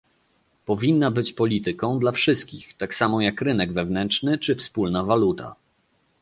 powinna być polityką dla wszystkich, tak samo jak rynek wewnętrzny czy wspólna waluta